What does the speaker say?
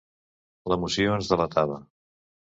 L'emoció ens delatava...